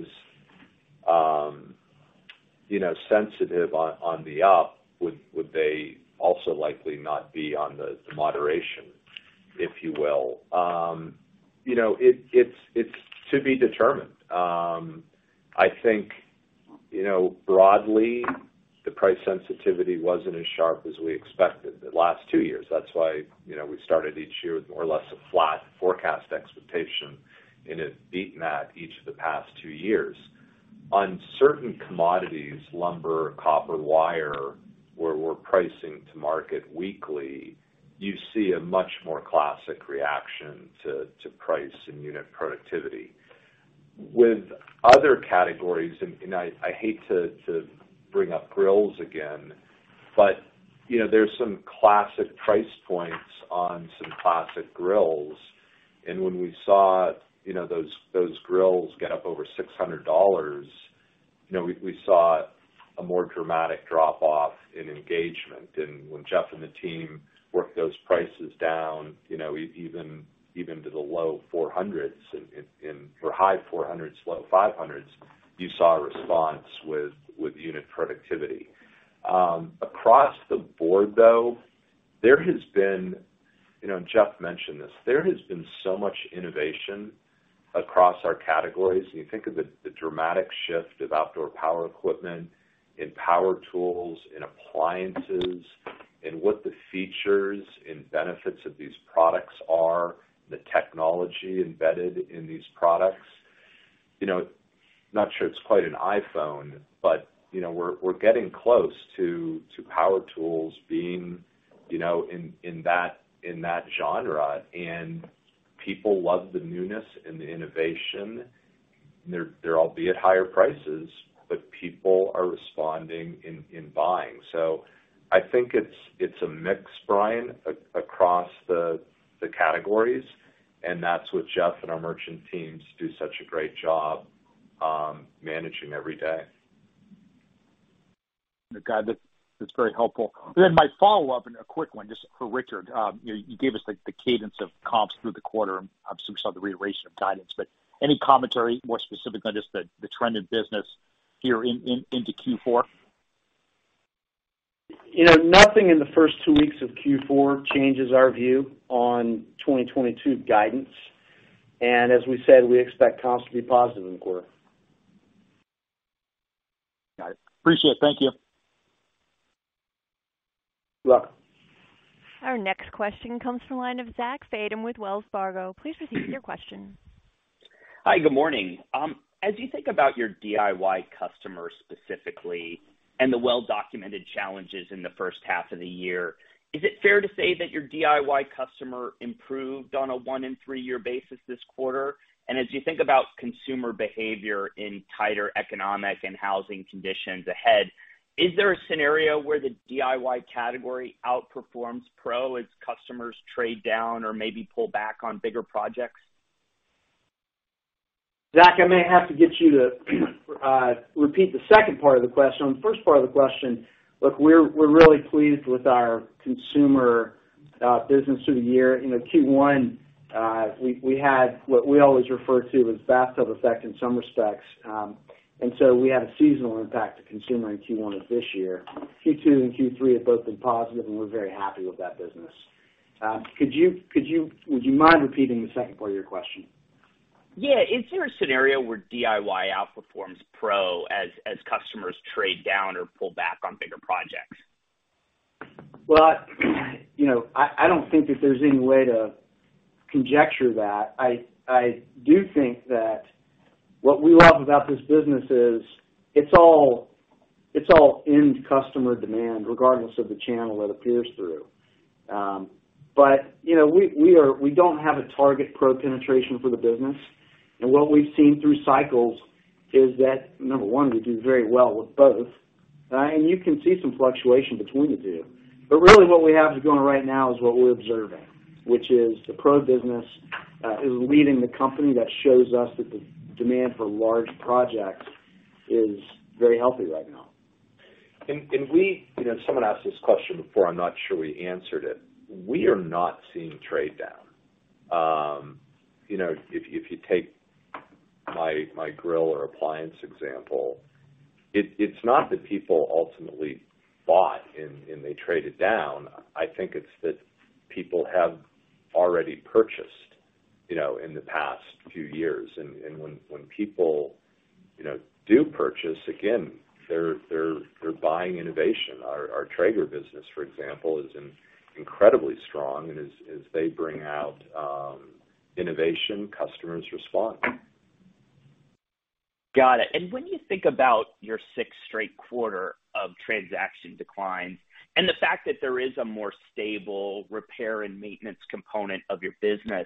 you know, sensitive on the up, would they also likely not be on the moderation," if you will. You know, it's to be determined. I think, you know, broadly, the price sensitivity wasn't as sharp as we expected the last two years. That's why, you know, we started each year with more or less a flat forecast expectation and have beaten that each of the past two years. On certain commodities, lumber, copper, wire, where we're pricing to market weekly, you see a much more classic reaction to price and unit productivity. With other categories, and I hate to bring up grills again, but you know, there's some classic price points on some classic grills, and when we saw you know, those grills get up over $600, you know, we saw a more dramatic drop-off in engagement. When Jeff and the team worked those prices down, you know, even to the low $400s or high $400s, low $500s, you saw a response with unit productivity. Across the board, though, there has been you know, and Jeff mentioned this, there has been so much innovation across our categories. When you think of the dramatic shift of outdoor power equipment in power tools, in appliances, and what the features and benefits of these products are, the technology embedded in these products. You know, not sure it's quite an iPhone, but you know we're getting close to power tools being you know in that genre, and people love the newness and the innovation. They're albeit higher prices, but people are responding in buying. I think it's a mix, Brian, across the categories, and that's what Jeff and our merchant teams do such a great job managing every day. Okay. That's very helpful. My follow-up, and a quick one, just for Richard. You know, you gave us, like, the cadence of comps through the quarter, obviously we saw the reiteration of guidance. Any commentary, more specifically on just the trend in business here in into Q4? You know, nothing in the first two weeks of Q4 changes our view on 2022 guidance. As we said, we expect comps to be positive in the quarter. Got it. Appreciate it. Thank you. You're welcome. Our next question comes from the line of Zach Fadem with Wells Fargo. Please proceed with your question. Hi, good morning. As you think about your DIY customers specifically and the well-documented challenges in the first half of the year, is it fair to say that your DIY customer improved on a one in three year basis this quarter? As you think about consumer behavior in tighter economic and housing conditions ahead, is there a scenario where the DIY category outperforms Pro as customers trade down or maybe pull back on bigger projects? Zach, I may have to get you to repeat the second part of the question. On the first part of the question, look, we're really pleased with our consumer business through the year. You know, Q1, we had what we always refer to as bathtub effect in some respects. We had a seasonal impact to consumer in Q1 of this year. Q2 and Q3 have both been positive, and we're very happy with that business. Would you mind repeating the second part of your question? Yeah. Is there a scenario where DIY outperforms Pro as customers trade down or pull back on bigger projects? You know, I don't think that there's any way to conjecture that. I do think that what we love about this business is it's all end customer demand, regardless of the channel. You know, we don't have a target Pro penetration for the business. What we've seen through cycles is that, number one, we do very well with both. You can see some fluctuation between the two. Really what we have going right now is what we're observing, which is the Pro business is leading the company. That shows us that the demand for large projects is very healthy right now. You know, someone asked this question before, I'm not sure we answered it. We are not seeing trade down. You know, if you take my grill or appliance example, it's not that people ultimately bought and they traded down. I think it's that people have already purchased, you know, in the past few years. When people, you know, do purchase, again, they're buying innovation. Our Traeger business, for example, is incredibly strong. As they bring out innovation, customers respond. Got it. When you think about your sixth straight quarter of transaction declines and the fact that there is a more stable repair and maintenance component of your business,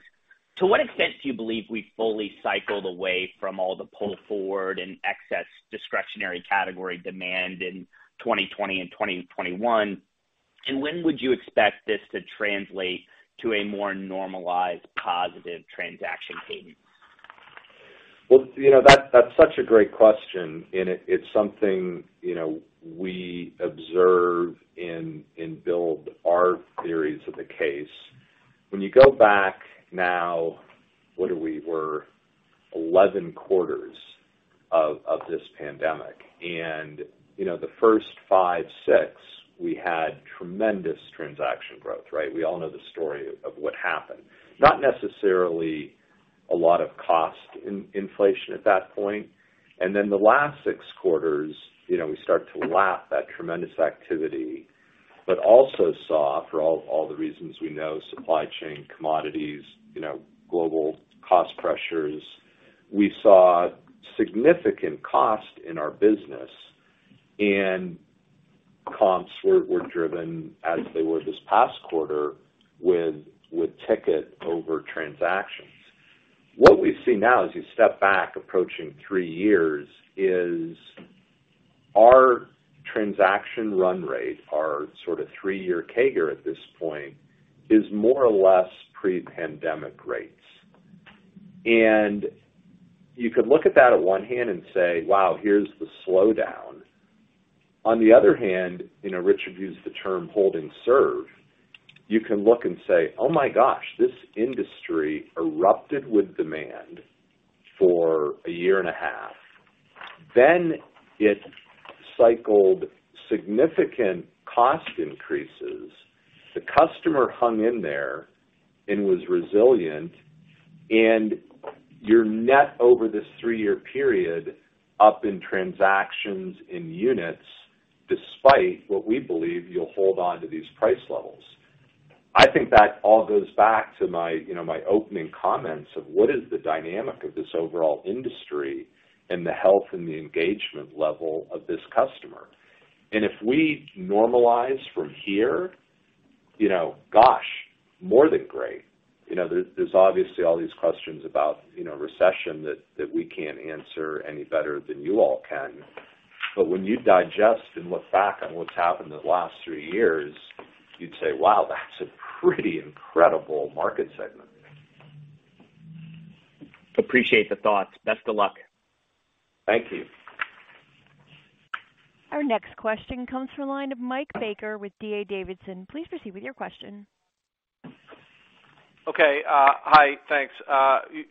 to what extent do you believe we fully cycled away from all the pull forward and excess discretionary category demand in 2020 and 2021? When would you expect this to translate to a more normalized positive transaction cadence? Well, you know, that's such a great question, and it's something, you know, we observe and build our theories of the case. When you go back now, what are we? We're 11 quarters of this pandemic. You know, the first five, six, we had tremendous transaction growth, right? We all know the story of what happened. Not necessarily a lot of cost inflation at that point. Then the last six quarters, you know, we start to lap that tremendous activity, but also saw, for all the reasons we know, supply chain, commodities, you know, global cost pressures. We saw significant cost in our business, and comps were driven as they were this past quarter with ticket over transactions. What we see now, as you step back approaching three years, is our transaction run rate, our sort of three-year CAGR at this point, is more or less pre-pandemic rates. You could look at that on one hand and say, "Wow, here's the slowdown." On the other hand, you know, Richard used the term hold and serve. You can look and say, "Oh my gosh, this industry erupted with demand for a year and a half." Then it cycled significant cost increases. The customer hung in there and was resilient. Your net over this three-year period up in transactions in units, despite what we believe you'll hold on to these price levels. I think that all goes back to my, you know, my opening comments of what is the dynamic of this overall industry and the health and the engagement level of this customer. If we normalize from here, you know, gosh, more than great. You know, there's obviously all these questions about, you know, recession that we can't answer any better than you all can. When you digest and look back on what's happened in the last three years, you'd say, "Wow, that's a pretty incredible market segment. Appreciate the thoughts. Best of luck. Thank you. Our next question comes from the line of Mike Baker with D.A. Davidson. Please proceed with your question. Okay. Hi, thanks.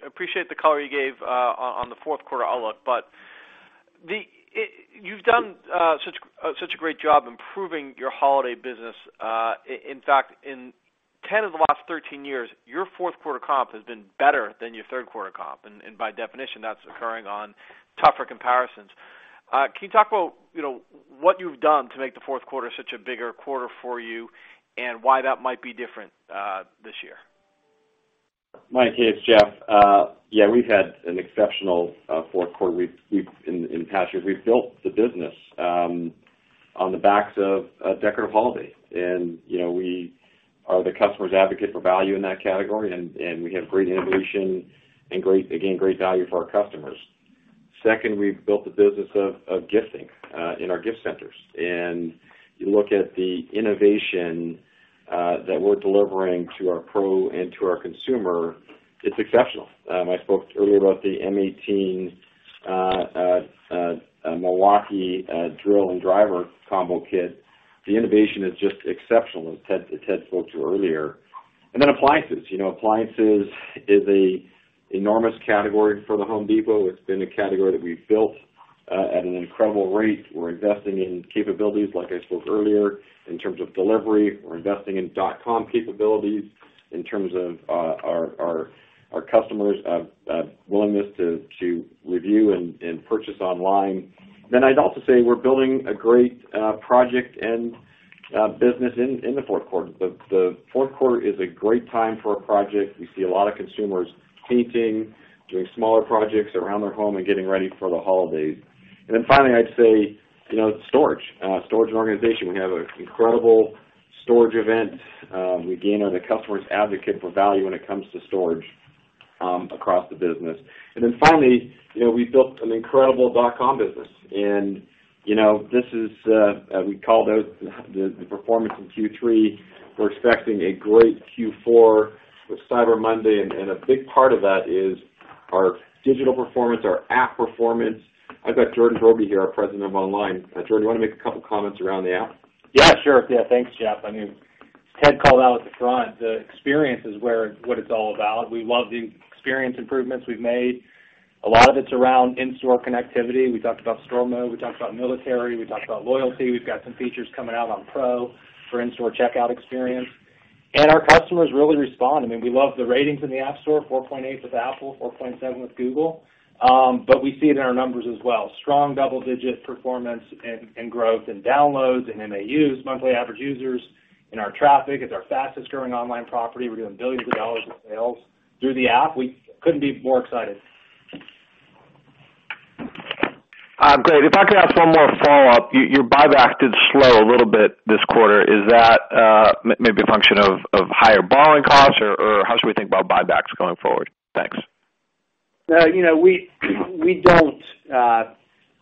Appreciate the color you gave on the fourth quarter outlook. You've done such a great job improving your holiday business. In fact, in 10 of the last 13 years, your fourth quarter comp has been better than your third quarter comp, and by definition, that's occurring on tougher comparisons. Can you talk about, you know, what you've done to make the fourth quarter such a bigger quarter for you and why that might be different this year? Mike, hey, it's Jeff. We've had an exceptional fourth quarter. In the past years, we've built the business on the backs of decorative holiday. You know, we are the customer's advocate for value in that category, and we have great innovation and great value for our customers. Second, we've built the business of gifting in our gift centers. You look at the innovation that we're delivering to our Pro and to our consumer, it's exceptional. I spoke earlier about the M18 Milwaukee drill and driver combo kit. The innovation is just exceptional, as Ted spoke to earlier. Then appliances. Appliances is an enormous category for The Home Depot. It's been a category that we've built at an incredible rate. We're investing in capabilities, like I spoke earlier, in terms of delivery. We're investing in dot com capabilities in terms of our customers' willingness to review and purchase online. I'd also say we're building a great project and business in the fourth quarter. The fourth quarter is a great time for a project. We see a lot of consumers painting, doing smaller projects around their home and getting ready for the holidays. I'd say, you know, storage organization. We have an incredible storage event. We again are the customer's advocate for value when it comes to storage, across the business. You know, we built an incredible dot-com business. You know, this is, we called out the performance in Q3. We're expecting a great Q4 with Cyber Monday, a big part of that is our digital performance, our app performance. I've got Jordan Broggi here, our President of Online. Jordan, you wanna make a couple comments around the App? Yeah, sure. Yeah, thanks, Jeff. I mean, Ted called out at the front, the experience is what it's all about. We love the experience improvements we've made. A lot of it's around in-store connectivity. We talked about Store Mode, we talked about military, we talked about loyalty. We've got some features coming out on Pro for in-store checkout experience. Our customers really respond. I mean, we love the ratings in the App Store, 4.8 with Apple, 4.7 with Google. But we see it in our numbers as well. Strong double-digit performance and growth in downloads and MAUs, monthly active users, in our traffic. It's our fastest-growing online property. We're doing billions of dollars in sales through the app. We couldn't be more excited. Great. If I could ask one more follow-up. Your buyback did slow a little bit this quarter. Is that maybe a function of higher borrowing costs or how should we think about buybacks going forward? Thanks. You know, we don't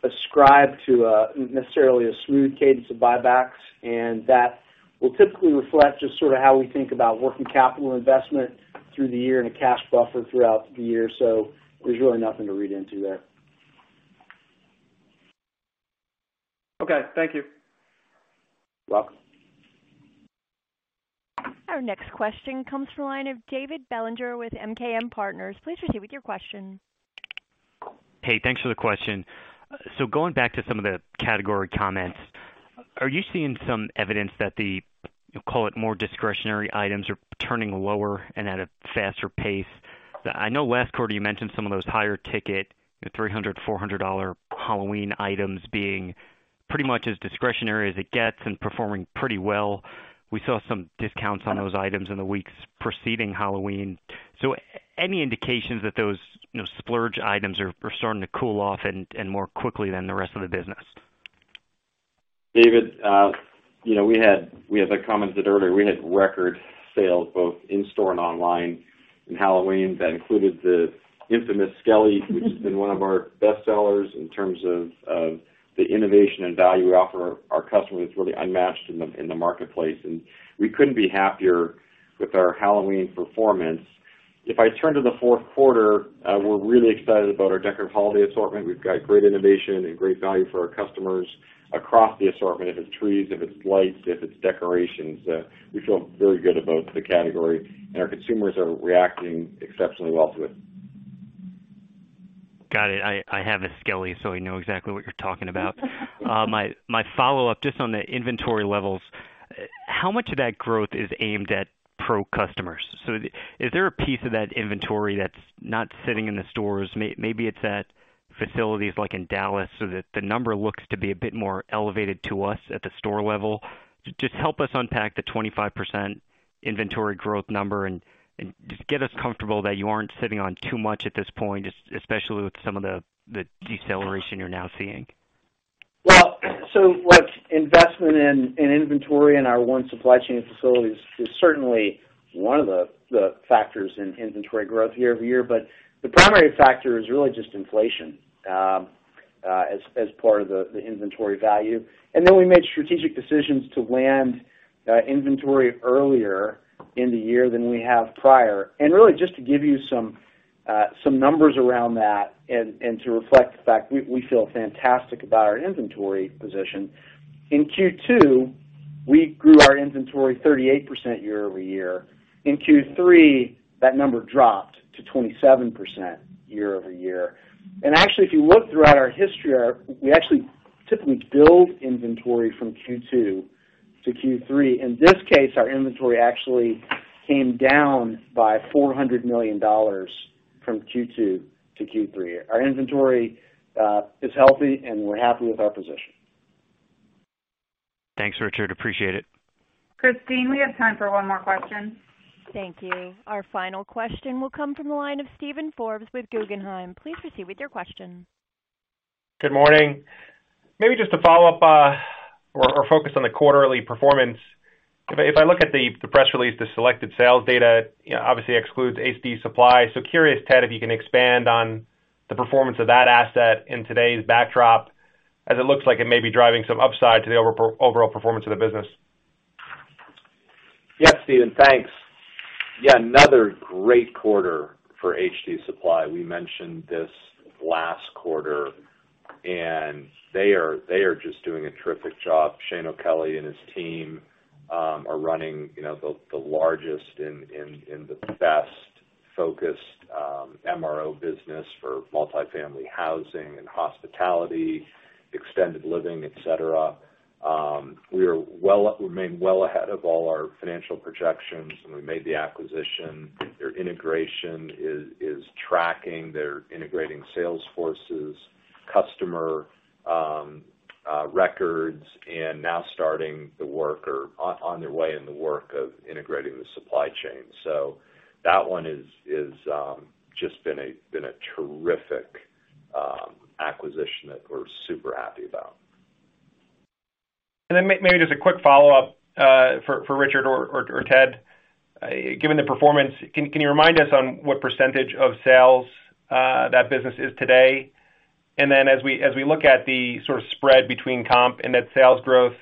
ascribe to necessarily a smooth cadence of buybacks, and that will typically reflect just sort of how we think about working capital investment through the year and a cash buffer throughout the year. There's really nothing to read into there. Okay. Thank you. You're welcome. Our next question comes from the line of David Bellinger with MKM Partners. Please proceed with your question. Hey, thanks for the question. Going back to some of the category comments, are you seeing some evidence that the, call it, more discretionary items are turning lower and at a faster pace? I know last quarter you mentioned some of those higher ticket, you know, $300-$400 Halloween items being pretty much as discretionary as it gets and performing pretty well. We saw some discounts on those items in the weeks preceding Halloween. Any indications that those, you know, splurge items are starting to cool off and more quickly than the rest of the business? David, you know, we had commented earlier, we had record sales both in-store and online in Halloween. That included the infamous Skelly, which has been one of our best sellers in terms of the innovation and value we offer our customers really unmatched in the marketplace. We couldn't be happier with our Halloween performance. If I turn to the fourth quarter, we're really excited about our Decor holiday assortment. We've got great innovation and great value for our customers across the assortment. If it's trees, if it's lights, if it's decorations, we feel very good about the category, and our consumers are reacting exceptionally well to it. Got it. I have a Skelly, so I know exactly what you're talking about. My follow-up, just on the inventory levels, how much of that growth is aimed at Pro customers? Is there a piece of that inventory that's not sitting in the stores? Maybe it's at facilities like in Dallas so that the number looks to be a bit more elevated to us at the store level. Just help us unpack the 25% inventory growth number and just get us comfortable that you aren't sitting on too much at this point, especially with some of the deceleration you're now seeing. Well, look, investment in inventory and our One Supply Chain facilities is certainly one of the factors in inventory growth year-over-year. The primary factor is really just inflation, as part of the inventory value. We made strategic decisions to land inventory earlier in the year than we have prior. Really just to give you some numbers around that and to reflect the fact we feel fantastic about our inventory position. In Q2, we grew our inventory 38% year-over-year. In Q3, that number dropped to 27% year-over-year. Actually, if you look throughout our history, we actually typically build inventory from Q2-Q3. In this case, our inventory actually came down by $400 million from Q2-Q3. Our inventory is healthy, and we're happy with our position. Thanks, Richard. Appreciate it. Christine, we have time for one more question. Thank you. Our final question will come from the line of Steven Forbes with Guggenheim. Please proceed with your question. Good morning. Maybe just to follow up or focus on the quarterly performance. If I look at the press release, the selected sales data, you know, obviously excludes HD Supply. Curious, Ted, if you can expand on the performance of that asset in today's backdrop as it looks like it may be driving some upside to the overall performance of the business. Yes, Steven, thanks. Yeah, another great quarter for HD Supply. We mentioned this last quarter, and they are just doing a terrific job. Shane O'Kelly and his team are running, you know, the largest and the best focused MRO business for multifamily housing and hospitality, extended living, et cetera. We remain well ahead of all our financial projections when we made the acquisition. Their integration is tracking. They're integrating sales forces, customer records, and now starting the work or on their way in the work of integrating the supply chain. That one is just been a terrific acquisition that we're super happy about. Maybe just a quick follow-up for Richard or Ted. Given the performance, can you remind us on what percentage of sales that business is today? As we look at the sort of spread between comp and net sales growth,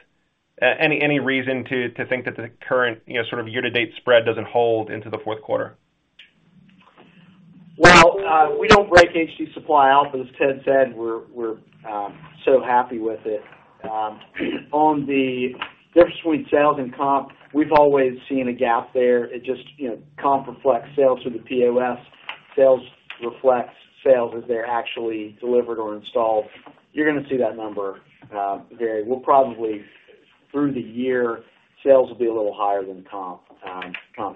any reason to think that the current, you know, sort of year-to-date spread doesn't hold into the fourth quarter? Well, we don't break HD Supply out, but as Ted said, we're so happy with it. On the difference between sales and comp, we've always seen a gap there. It just, you know, comp reflects sales through the POS. Sales reflects sales as they're actually delivered or installed. You're gonna see that number vary. We'll probably, through the year, sales will be a little higher than comp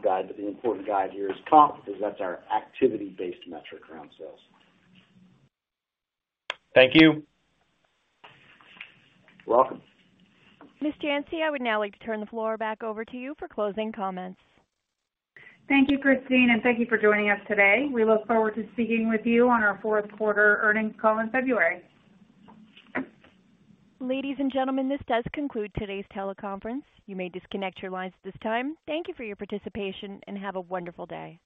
guide. But the important guide here is comp because that's our activity-based metric around sales. Thank you. You're welcome. Ms. Janci, I would now like to turn the floor back over to you for closing comments. Thank you, Christine, and thank you for joining us today. We look forward to speaking with you on our fourth quarter earnings call in February. Ladies and gentlemen, this does conclude today's teleconference. You may disconnect your lines at this time. Thank you for your participation, and have a wonderful day.